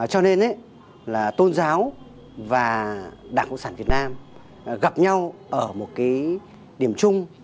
cho nên là tôn giáo và đảng cộng sản việt nam gặp nhau ở một cái điểm chung